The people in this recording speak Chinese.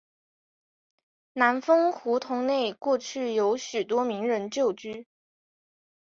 南丰胡同内过去有许多名人旧居。